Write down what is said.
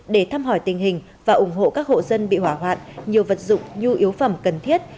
để thăm hỏi tình hình và ủng hộ các hộ dân bị hỏa hoạn nhiều vật dụng nhu yếu phẩm cần thiết